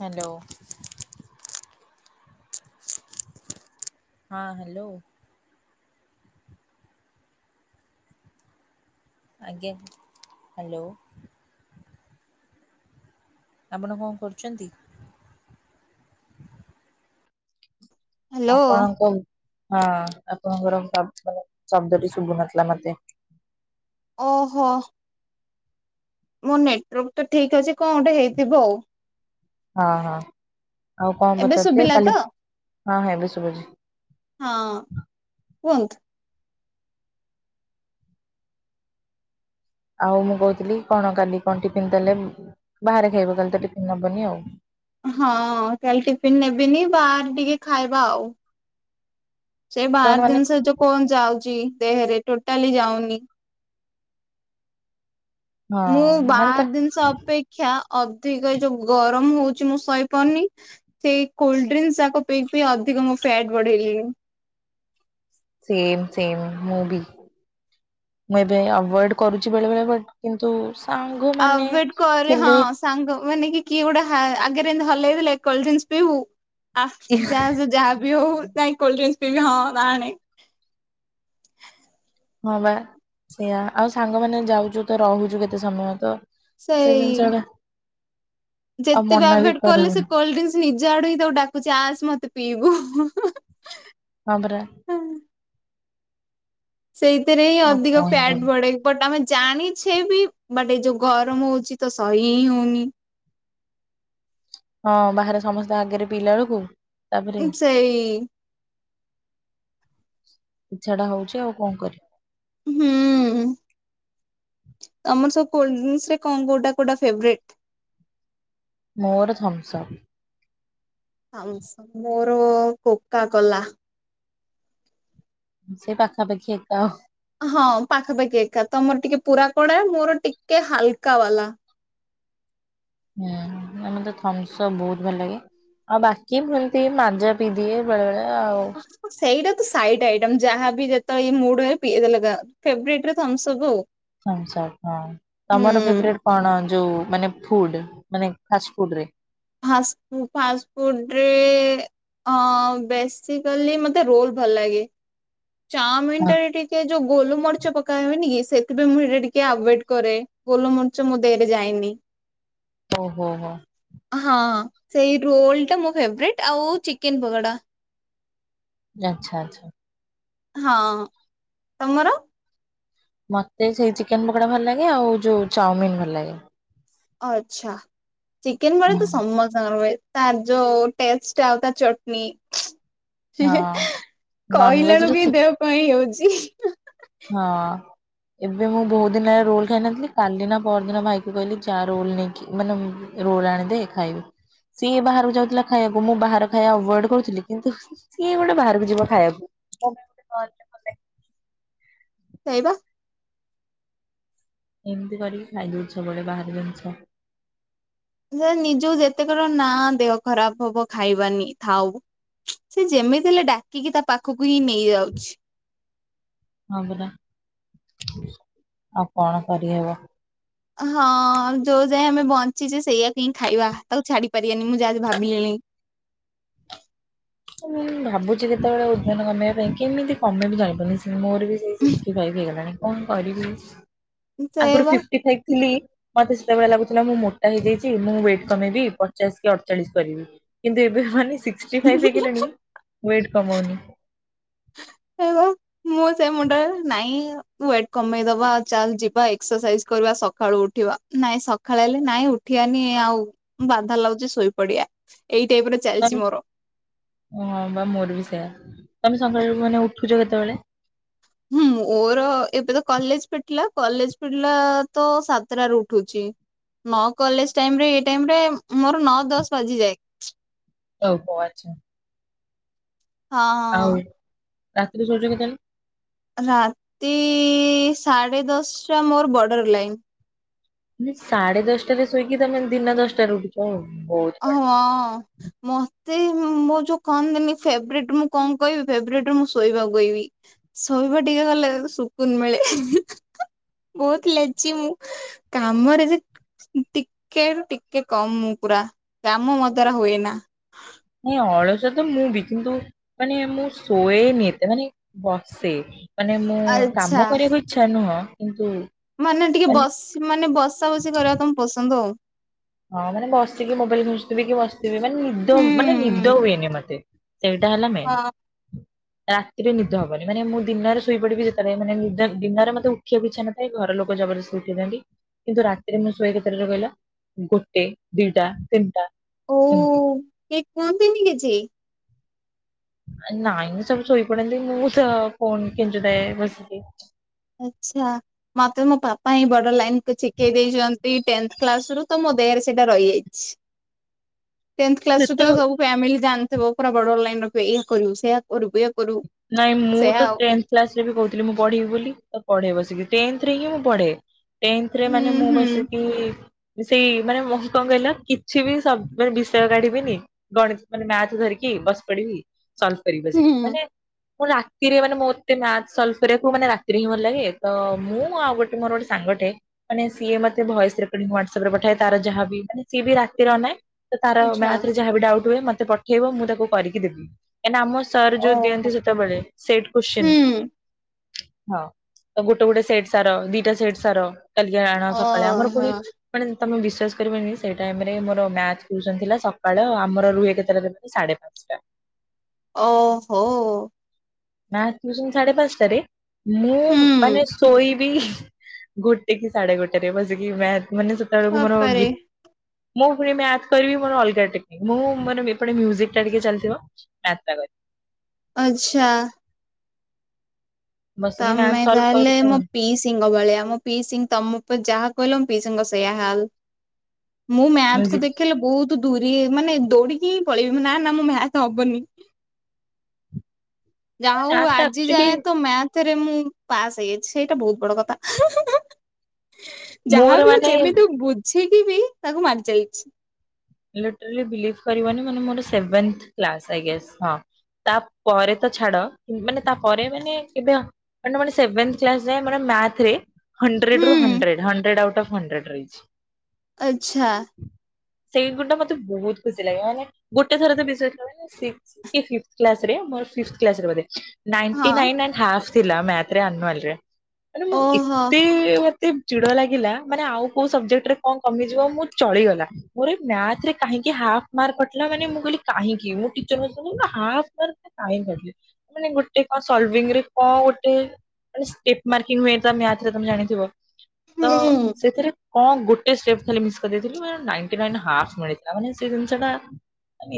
Hello. ହଁ hello. ଆଜ୍ଞା hello. ଆପଣ କଣ କରୁଛନ୍ତି? ହ୍ୟାଲୋ ଆପଣଙ୍କ ହଁ ଆପଣଙ୍କର ଶବ୍ଦ ଶଦ୍ଦଟି ଶୁଭୁନଥିଲା ମତେ। ଓହୋ। ମୋ ନେଟୱାର୍କ ତ ଠିକ୍ ଅଛି କଣ ଗୋଟେ ହେଇଥିବ ଆଉ। ହଁ ହଁ ଆଉ କଣ ଏବେ ପଚାରୁଥିଲେ ଶୁଭିଲା ତ କାଲି ହଁ ହଁ ଏବେ ଶୁଭୁଛି। ହଁ କୁହନ୍ତୁ? ଆଉ ମୁଁ କହୁଥିଲି କଣ କାଲି କଣ ଟିଫିନ୍ ଦେଲେ ବାହାରେ ଖାଇବ କାଲି ତ ଟିଫିନ୍ ନବନି ଆଉ। ହଁ କାଲି ଟିଫିନ୍ ନେବିନି ବାହାର ଟିକେ ଖାଇବା ଆଉ। ସେ ତମେ ବାହାର ମାନେ ଜିନଷ ଯଉ କଣ ଯାଉଛି ଦେହେରେ ଟୋଟାଲି ଯାଉନି। ହଁ ମୁଁ ମାନେ ତ ବାହାର ଜିନିଷ ଅପେକ୍ଷା ଅଧିକ ଏ ଯୋଉ ଗରମ ହଉଛି ମୁଁ ଶଇ ପରୁନି। ସେଇ କୋଲ୍ ଡ୍ରିସ୍ ଯାକ ପି ପି ଅଧିକ ମୁଁ ଫ୍ୟାଟ ବଢେଇଲିଣି। ସେମ୍ ସେମ୍ ମୁଁ ବି ମୁଁ ଏବେ ଆଭଏଡ କରୁଛି ବେଳେଳେ ବଟ୍ କିନ୍ତୁ ଆଉ ସାଙ୍ଗମାନେ ୱେଟ୍ କରେ ହଁ ଥିଲେ। ସାଙ୍ଗ ମାନେ କିଏ ଗୋଟୋ ହା ଆଗରେମିତି ହଲେଇଲେ ଦେଲେ କୋଲ୍ ଡ୍ରିସ୍ ପିଇବୁ? ଆ ଯାହା ସେ ଯାହା ବି ହଉ ଯାଇ କୋଲ୍ ଡ୍ରିସ୍ ପିଇବି ହଁ ଆଣେ। ହଁ ବା ସେଇୟା ଆଉ ସାଙ୍ଗମାନେ ଯାଉଛୁ ତ ରହୁଛୁ କେତେ ସମୟ ତ। ସେ ଜିନିଷ ସେଇ। ଟା ଆଉ ଯେତେ ବି ମନା ଆଭଏଡ୍ କଲେ ସେ କରିବୁନି କୋଲଡ୍ରିଙ୍କସ୍। ନିଜ ଆଡୁ ହିଁ ତାକୁ ଡାକୁଚି ଆସ ମତେ ପିଇବୁ। ହଁ ପରା। ସେଇଥିରେ ହିଁ ଆଉ ଅଧିକ କଣ କରିବୁ। ଫ୍ୟାଟ ବଢେ। ବଟ୍ ଆମେ ଜାଣିଛେ ବି ବଟ୍ ଏ ଯୋଉ ଗରମ ହଉଛି ତ ସହି ହିଁ ହଉନି। ହଁ ବାହାରେ ସମସ୍ତେ ଆଗରେ ପିଲା ବେଳକୁ ତାପରେ। ସେଇ ଇଛା ଟା ହଉଛି ଆଉ କଁ କରି ହୁଁ। ତମର ସବୁ କୋଲଡ୍ରିଙ୍କସ୍ ରେ କଁ କୋଉଟା କୋଉଟା ଫେବେରେଟ୍। ମୋର ଥମସ୍ଅପ୍। ଥମସ୍ଅପ୍ ମୋର କୋକା କୋଲା। ହଁ ସେଇ ପାଖା ପାଖି ଏକା ଆଉ। ହଁ ପାଖାପାଖି ଏକା ତମର ଟିକେ ପୁରା କଡା ମୋର ଟିକେ ହାଲକା ବାଲା। ହୁଁ ଆଉ ମତେ ଥମସ୍ଅପ୍ ବହୁତ ଭଲ ଲାଗେ। ଆଉ ବାକି ସେମତି ମାଜା ପିଇଦିଏ ବେଳେ ବେଳେ ଆଉ। ହଁ ସେଇଟା ତ ସାଇଡ ଆଇଟମ ଯାହାବି ଯେତେ ବେଳେ ବି ମୁଡ ହେଲେ ପିଇ ଦେଲ ତ ଫେବରଟ ରେ ଥମସ୍ଅପ୍ ଆଉ। ଥମସ୍ଅପ ହଁ ହୁଁ ତମର ଫେବରେଟ୍। କଣ ଯୋଉ ମାନେ ଫୁଡ ମାନେ ଫାଷ୍ଟ ଫୁଡ ରେ। ଫାସ୍ ଫୁ ଫାଷ୍ଟଫୁଡ ରେ। ହଁ ବେସିକାଲି ମତେ ରୋଲ ଭଲ ଲାଗେ। ଚାଓମିନ ଟା ରେ ଟିକେ ଯୋଉ ଗୋଲ ମରିଚ ପକା ହୁଏନି କି ସେଥିପାଇଁ ମୁଁ ସେଇଟା ଟିକେ ଆଭଏଡ କରେ। ଗୋଲୁ ମରିଚ ମୋ ଦେହରେ ଯାଏନି। ଓହୋ ହୋ। ହଁ ସେଇ ରୋଲ ଟା ମୋ ଫେବରଟ୍ ଆଉ, ଚିକେନ, ପକୋଡା। ଆଚ୍ଛା ଆଛା। ହଁ ତମର। ମତେ ସେଇ ଚିକେନ ପକୋଡା ଭଲ ଲାଗେ ଆଉ ଯୋଉ ଚାଉମିିନ ଭଲ ଲାଗେ। ଆଚ୍ଛା ଚିକେନ ପୋକଡ଼ା ହୁଁ ତ ସମସ୍ ସ୍ତ ଙ୍କର ହୁଏ ତାର ଯୋଉ ଟେଷ୍ଟ ଆଉ ତା ଚଟଣି। ହିଁ ହେଁ ହଁ। କହିଲା ନନଭେଜରେ ବେଳୁକୁ ହିଁ ଚିକ୍ ଦେହ କଁ ହେଇ ଯାଉଛି। ହଁ। ଏବେ ମୁଁ ବହୁତ ଦିନ ହେଲା ରୋଲ ଖାଇ ନଥିଲି କାଲି ନା ପରଦିନ ଭାଇ କି କହିଲି ଯା ରୋଲ ନେଇକି ମାନେ। ରୋଲ ଆଣିଦେ ଖାଇବି ସିଏ ବାହାରକୁ ଯାଉଥିଲା ଖାଇବାକୁ ମୁଁ ବାହାର ଖାଇବା ଆଭଏଡ କରୁଥିଲି କିନ୍ତୁ। ସିଏ ଗୋଟେ ବାହାରକୁ ଯିବ ଖାଇବାକୁ। ସେଇଟା। ଏମିତି କରିକି ଖାଇ ଦଉଛି ସବୁ ବଳେ ବାହାର ଜିନିଷ। ସେ ନିଜ କୁ ଯେତେ ଥର ନା ଦେହ ଖରାପ ହବ ଖାଇବାନି ଥାଉ। ସିଏ ଯେମିତି ହେଲେ ଡାକିକି ତା ପାଖକୁ ହିଁ ନେଇ ଯାଉଛି। ହଁ ପରା ଆଉ କଣ କରି ହେବ। ହଁ ଯୋଉ ଯାଏଁ ଆମେ ବଞ୍ଚିଛେ ସେଇଆକୁ ହିଁ ଖାଇବା ତାକୁ ଛାଡି ପାରିବାନି ମୁଁ ଯାହା ଭାବିଲିଣି। ମୁଁ ବି ଭାବୁଛି କେତେବେଳେ ଓଜନ କମେଇବା ପାଇଁ କେମିତି କମେଇ ବି ଜାଣି ପାରୁନି ସି ମୋର। ସିଏ ସେଇ ସିକ୍ସଟି ଫାଇବ୍ ହେଇ ଗଲାଣି କଣ କରିବି ଆଗରୁ ସେଇବା ଫିଫ୍ଟି ଫାଇବ୍ ଥିଲି। ମତେ ସେତେବେଳେ ଲାଗୁଥିଲା ମୁଁ ମୋଟା ହେଇଯାଇଛି ମୁଁ ୱେଟ୍ କମେଇବି ପଚାଶ କି ଅଡଚାଳିଶ କରିବି। କିନ୍ତୁ ଏବେ ମାନେ ସିକ୍ଟିଫାଇଭ ହେଇଗଲେଣି ୱେଟ କମଉନି। [unintelligible] ମୁଁ ସେ ମୁଣ୍ଡରେ ନାଇଁ ୱେଟ କମେଇଦବା ଚାଲ ଯିବା ଏକ୍ସରସାଇଜ କରିବା ସକାଳୁ ଉଠିବା। ନାଇଁ ସଖାଳ ହେଲେ ନାଇଁ ଉଠିବାନି ଆଉ ବାଧା ଲାଗୁଚି ଶୋଇପଡିବା। ଏଇ ଟାଇପ୍ ର ନହେଲେ ଚାଲିଚି ମୋର। ହଁ ବା ମୋର ବି ସେୟା। ତମେ ସକାଳେ ମାନେ ଉଠୁଚ କେତେବେଳେ? ହୁଁ ମୋର ଏବେ ତ କଲେଜ୍ ଫିଟିଲା କଲେଜ୍ ଫିଟିଲା ତ ସାତଟାରେ ଉଠୁଚି। ନ କଲେଜ୍ ଟାଇମ ରେ ଏଇ ଟାଇମ ରେ ମୋର ନଅ ଦଶ ବାଜିଯାଏ। [unintelligible] ଆଚ୍ଛା। ଆଉ, ହଁ ରାତିରେ ଶୋଉଚ କେତେବେଳେ? ରାତି ସାଢ଼େ ଦଶଟା ମୋର ବର୍ଡର ଲାଇନ୍। ମାନେ ସାଢେ ଦଶଟାରେ ଶୋଇକି ତମେ ଦିନ ଦଶଟାରେ ଉଠିଚ। [unintelligible] ହଁ। ମତେ ମୋ ଯୋଉ କହନ୍ତିନି ଫେବରେଟ୍ ମୁଁ କଣ କହିବି ଫେବରେଟ୍ ରେ ମୁଁ ଶୋଇବାକୁ କହିବି। ଶୋଇବା ଟିକେ ଗଲେ ସୁକୁନ ମିଳେ। ବହୁତ ଲେଜି ମୁଁ। କାମରେ ଯେ ଟିକେ ରୁ ଟିକେ କମ୍ ମୁଁ ପୁରା। କାମ ମୋ ଦ୍ଵାରା ହୁଏନା। ନାଇଁ ଅଳସୁଆ ତ ମୁଁ ବି। କିନ୍ତୁ ମାନେ ମୁଁ ଶୋଏନି ଏତେ ମାନେ ବସେ। ମାନେ ମୁଁ ଆଚ୍ଛା କାମ କରିବାକୁ ଇଚ୍ଛା ନୁହଁ। କିନ୍ତୁ ମାନେ ଟିକେ ବସ ମାନେ ବସା ବସି କରିବାକୁ ତମକୁ ପସନ୍ଦ ଆଉ। ହଁ ମାନେ ବସିକି ମୋବାଇଲ ଖେଞ୍ଚୁଥିବି କି ବସିଥିବି, ମାନେ ନିଦ ମାନେ ହୁଁ। ନିଦ ହୁଏନି ମତେ। ସେଇଟା ହେଲା ମେନ୍। ହଁ ରାତିରେ ନିଦ ହବନି। ମାନେ ମୁଁ ଦିନରେ ଶୋଇପଡିବି ଯେତେବେଳେ ମାନେ ନିଦ ଦିନରେ ମୋତେ ଉଠିବାକୁ ଇଚ୍ଛା ନ ନାଇ ଘର ଲୋକ ଜବରଦସ୍ତି ଉଠେଇଦିଅନ୍ତି। କିନ୍ତୁ ରାତିରେ ମୁଁ ଶୁଏ କେତେଟା ରେ କହିଲ? ଗୋଟେ, ଦିଟା, ତିନିଟା। ଓ ଏମିତି କେହି କୁହନ୍ତିନି କିଛି? ନାଇଁ ସବୁ ଶୋଇପଡନ୍ତି ମୁଁ ତ ଫୋନ୍ କେଞ୍ଚୁଥାଏ ବସିକି। ଆଚ୍ଛା। ମତେ ମୋ ପାପା ହିଁ ବର୍ଡର ଲାଇନ କୁ ଶିଖେଇ ଦେଇଛନ୍ତି ଟେନ୍ଥ କ୍ଲାସ ରୁ ତ ମୋ ଦେହରେ ସେଇଟା ରହିଯାଇଚି। ଟେନ୍ଥ କ୍ଲାସ୍ ରୁ ତ ସେତେ ସବୁ ଫ୍ୟାମିଲି ଜାଣିଥିବ ପୁରା ବର୍ଡର ଲାଇନ୍ ରଖିବେ ଏଇଆ କରିବୁ ସେଇଆ କରିବୁ ଏଇୟା କରିବୁ। ନାଇଁ ମୁଁ ସେୟା ତ ଆଉ ଟେନ୍ଥ କ୍ଲାସରେ ବି କହୁଥିଲି ମୁଁ ପଢିବି ବୋଲି। ତ ପଢେ ବସିକି। ଟେନ୍ଥ ରେ ହଁ ମୁଁ ପଢେ। ଟେନ୍ଥ ରେ ହୁଁ ମାନେ ମୁଁ ହୁଁ ବସିକି ସେଇ ମାନେ ମୁଁ କଣ କହିଲ କିଛି ବି ସ ମାନେ ବିଷୟ କାଢିବିନି ଗଣିତ ମାନେ ମାଥ ଧରିକି ବସ ପଡିବି, ସଲଭ୍ କରିବି ବସିକି। ହୁଁ ମାନେ ମୁଁ ରାତିରେ ମାନେ ମୋତେ ମାଥ ସଲ୍ଭ୍ କରିବାକୁ ରାତିରେ ହିଁ ଭଲ ଲାଗେ। ତ ମୁଁ ଆଉ ଗୋଟେ ମୋର ଗୋଟେ ସାଙ୍ଗଟେ ମାନେ ସିଏ ମତେ ଭଏସ ରେକଡ଼ିଂ ୱାଟ୍ ଆପ୍ ରେ ପଠାଏ ତାର ଯାହା ବି ମାନେ ସିଏ ବି ରାତିରେ ଅନାଏ। ତ ତାର ଆଚ୍ଛା ମ୍ୟାଥ ରେ ଯାହାବି ଡାଉଟ୍ ହୁଏ ମତେ ପଠେଇବ ମୁଁ ତାକୁ କରିକି ଦେବି। କାହିଁକିନା ଆମ ସାର୍ ଯୋଉ ଓହୋ। ଦିଅନ୍ତି ସେତେବେଳେ ସେଟ୍ କୋଶ୍ଚିନ୍ ହୁଁ ହଁ। ତ ଗୋଟେ ଗୋଟେ ସେଟ୍ ସାର, ଦିଟା ସେଟ୍ ସାର କାଲିକି ଆଣ ସକାଳେ। ଆମର ଓହୋ ପୁଣି ମାନେ ତମେ ବିଶ୍ଵାସ କରିବନି ସେଇ ଟାଇମ ରେ ମୋର ମ୍ୟାଥ ଟିଉସନ୍ ଥିଲା ସକାଳ ଆମର ରୁହେ କେତେଟାରେ ସାଢ଼େ ପାଞ୍ଚଟା। ଓହୋ। ନା ସେ ସାଢେ ପାଞ୍ଚଟାରେ ମୁଁ ମାନେ ହୁଁ। ଶୋଇ ଶୋଇବି ଗୋଟେ କି ସାଢେ ଗୋଟେରେ ବସିକି ମ ମାନେ ସେତେବେଳକୁ ମୋର ବାପରେ ଗୀ ମୁଁ ବି ମ୍ୟାଥ କରିବି ମୋର ଅଲଗା ଟେକ୍ନିକ୍ ମୁଁ ଏପଟେ ଟିକେ ମ୍ୟୁଜିକ ଚାଲିଥିବ। ଦାତା କରି। ଆଚ୍ଛା। ବସିକି ତମେ ମ୍ୟାଥ୍ ସଲ୍ଭ ତାହେଲେ କରୁଥାଏ ମୋ ପିଇସ୍ ସିଙ୍କ ଭଳିଆ ମଁ ପିଇସି ତମ ଯାହା କହିଲ ମୋ ପିସୀଙ୍କ ସେୟା ହବ। ମୁଁ ମ୍ୟାଥକୁୁ ମ୍ୟୁଜିକ୍ ଦେଖିଲ ବହୁତ ଦୂରି ମାନେ ଦୌଡିକି ପଳେଇବି ନା ନା ମୋ ମ୍ୟାଥ ହବନି। ଯାହା ହଉ ମ୍ୟାଥ୍ ଟା ଆଜି ଆକ୍ଚୁଆଲି ଯାଏ ତ ମ୍ୟାଥ ରେ ମୁଁ ପାସ୍ ହେଇଯାଇଛି ସେଇଟା ବହୁତ ବଡ କଥା। ମୋର ଯାହା ବିି ହଉ ମାନେ ଯେମିତି ହଉ ବୁଝିକି ବି ତାକୁ ମାରି ଯାଇଛି। ଲିଟେରାଳି ବିଲିଭ କରିବନି ମାନ ମୋର ସେଭେନ୍ଥ କ୍ଲାସ ଆଇ ଗେସ। ତାପରେ ତ ଛାଡ ମାନେ ତାପରେ ମାନେ କେବେ ମାନେ ମୋର ସେଭେନ୍ଥ କ୍ଲାସ ଯାଏ ମୋର ମ୍ୟାଥରେ ହଣ୍ଡ୍ରେଡ ରୁ ହୁଁ hundred hundred out of hundred ରହିଛି। ଆଚ୍ଛା। ସେଇ ଗୁଟା ମତେ ବହୁତ ଖୁସି ଲାଗେ ମାନେ ଗୋଟେ ଥର ତ ବିଷୟଥିଲା। [unintelligible] ନାଇଣ୍ଟି ହଁ ନାଇନ୍ ଆଣ୍ଡ ହାଫ୍ ଥିଲା ମ୍ୟାଥରେ ଆନୁଆଲରେ ମାନେ ମୁଁ ଓହୋ ଏତେ ମତେ ଚିଡା ଲାଗିଲା ମାନେ ଆଉ କୋଉ ସବଜେକ୍ଟରେ କଣ କମିଯିବ ମୁଁ ଚଳିଗଲା। ମୋର ମ୍ୟାଥରେ କାହିଁକି ହାଫ ମାର୍କ କଟିଲା ମାନେ ମୁଁ କହିଲି କାହିଁକି ମୁଁ ଟିଚର ମ [unintelligible] ମାନେ ଗୋଟେ କଣ ସଲଭିଙ୍ଗରେ କଣ ଗୋଟେ। ଷ୍ଟେପ ମାର୍କି ହୁଏ ତ ମ୍ୟାଥରେ ତମେ ଜାଣିଥିବ? ତ ହୁଁ। ସେଥିରେ କଣ ଗୋଟେ ଷ୍ଟେପ୍ ଖାଲି ମିସ୍ କରିଦେଇଥିଲି। ସେଇଥିପାଇଁ ହାପ ମିଳିଥିଲା ମାନେ ସେ ଜିନିଷଟା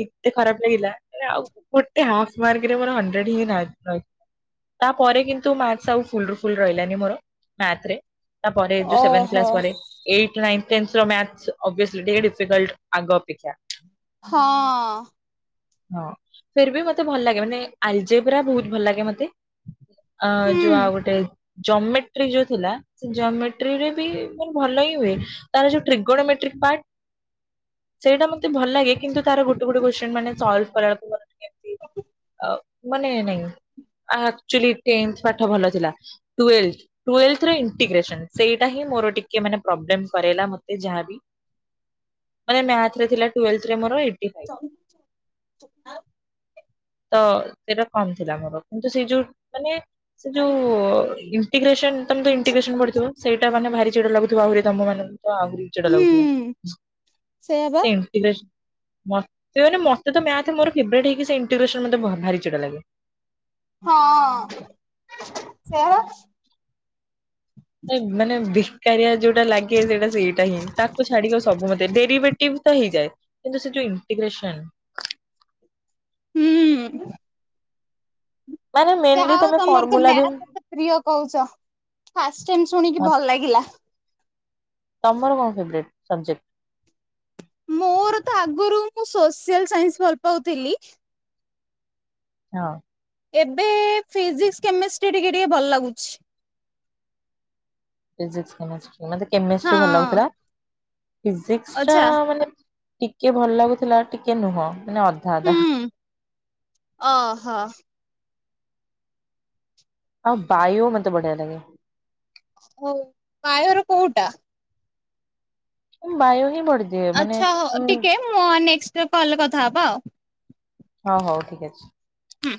ଏତେ ଖରାପ ଲାଗିଲା ଆଉ ଗୋଟେ ହାପ ମାର୍କରେ ମୋର ହଣ୍ଡ୍ରେଡ ହେଇଥାନ୍ତା। ତାପରେ କିନ୍ତୁ ମାର୍କ ସବୁ ଫୁଲ ରୁ ଫୁଲ ରହିଲାନି ମୋର ମ୍ୟାଥ୍ ରେ। ପରେ ସେଭେନ୍ଥ ଓହୋ। କ୍ଲାସ ପରେ ଏଇଟ୍, ନାଇଁନ, ଟେନ୍ଥର ମ୍ୟାଥ ଅବିଓସଲି। ଟିକେ ଡିଫିକଲଟ୍ ଆଗ ଅପେକ୍ଷା। ହଁ। ହଁ ଫେର ବି ମତେ ଭଲ ଲାଗେ ମାନେ ଆଲଜେବ୍ରା ବହୁତ ଭଲ ଲାଗେ ମତେ। ଅ ହୁଁ। ଯୋଉ ଆଉ ଗୋଟେ ଜମେଟ୍ରି ଯୋଉ ଥିଲା ସେ ଜମେଟ୍ରିରେ ବି ମୋର ଭଲ ହିଁ ହୁଏ। ତାର ଯୋଉ ଟ୍ରିଗୋନୋମେଟ୍ରିକ ପାର୍ଟ। ସେଇଟା ମତେ ଭଲ ଲାଗେ କିନ୍ତୁ ତାର ଗୋଟେ ଗୋଟ କୋତ୍ସିନ୍ ମାନେ ସଲଭ୍ କରାଳକୁ ମୋର ଟିକେ ଏମତି ଅ ମାନେ ନାଇଁ ଆକଚୁଆଲି ଟେନ୍ଥ ପାଠ ଭଲ ଥିଲା ଟ ଟୁୱେଲ୍ଥ ରେ ଇଣ୍ଟିଗ୍ରେସନ ସେଇଟା ହିଁ ମୋର ଟିକେ ମାନେ ପ୍ରବ୍ଲେମ କରେଇଲା ମତେ ଯାହାବି। ମାନେ ମ୍ୟାଥରେ ଥିଲା ଟୁଏଲ୍ଥରେ ମୋର ଏଇଟ୍ ଫାଇଭ। ତ ସେଇଟା କମ ଥିଲା ମୋର କିନ୍ତୁ ସେଇ ଯୋଉ ମାନେ ସେ ଯୋଉ ଇଣ୍ଟିଗ୍ରେସନ ତମେ ତ ଇଣ୍ଟିଗ୍ରେସନ ପଡିଥିବ? ସେଇଟା ମାନେ ଭାରି ଚିଡା ଲାଗୁଥିବ ଆହୁରି ତମ ମାନେ ତ ଆହୁରି ଚିଡା ଲାଗୁଥିବ ହୁଁ ସେଇଆ ବା। ସେ। ମେ ମାନେ ମତେ ତ ମ୍ୟାଥ ମୋର ଫେଭରେଟ ହେଇକି ସେ ଇଣ୍ଟିଗ୍ରେସନ ମତେ ଭାରି ଚିଡ଼ା ଲାଗେ। ହଁ ସେଇଆପା ମାନେ ବେକାରିଆ ଯୋଉଟା ଲାଗେ ସେଇଟା ସେଇଟା ହିଁ ତାକୁ ଛାଡିକ ସବୁ ମତେ ଡେରିଭେଟିଭ ତ ହେଇଯାଏ। କିନ୍ତୁ ସେ ଯୁ ଇଣ୍ଟିଗ୍ରେସନ। ହୁଁ। ମାନେ ଯହା ମେନଲି ହଉ ତମେ ତମର ତ ଫର୍ମୁଲା ବି ମ୍ୟାଥ ଏତେ ପ୍ରିୟ କହୁଛ ଫାର୍ଷ୍ଟ ଟାଇମ ଶୁଣିକି ହଁ, ଭଲ ଲାଗିଲା। ତମର କଣ ଫେଭରେଟ ସବଜେକ୍ଟ? ମୋର ତ ଆଗରୁ ମୁଁ ସୋସିଆଲ ସାଇନ୍ସ ଭଲ ପାଉଥିଲି। ହଁ। ଏବେ ଫିଜିକ୍ସ, କେମିଷ୍ଟ୍ରି ଟିକେ ଟିକେ ଭଲ ଲାଗୁଛି। ଫିଜିସ୍କି କେମେଷ୍ଟ୍ରୀ ମତେ କେମେଷ୍ଟ୍ରି ଭଲ ହଁ ଲାଗୁଥିଲା ଫିଜିକସ ଟା ଆଚ୍ଛା ମାନେ ଟିକେ ଭଲ ଲାଗୁଥିଲା ଟିକେ ନୁହଁ ମାନେ ଅଧା ଅଧା। ହୁଁ ଅହ। ଆଉ ବାୟୋ ମତେ ବଢିଆ ଲାଗେ। ହଉ ବାୟୋର କୋଉଟା? ବାୟୋ ହିଁ ବଢିଦିଏ ମାନେ ଆଚ୍ଛା ହଉ ଉଁ। ଟିକେ ମୁଁ ନେକ୍ଷ୍ଟ କଲ କଥା ହବା ଆଉ। ହ ହଉ ଠିକ ଅଛି। ହୁଁ।